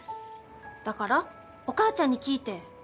だからお母ちゃんに聞いて。